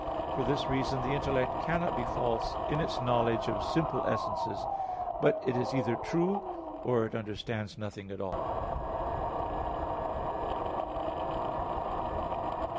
For this reason the intellect cannot be false in its knowledge of simple essences; but it is either true, or it understands nothing at all.